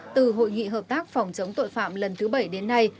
từ hội nghị hợp tác phòng chống tội phạm lần thứ bảy đến nay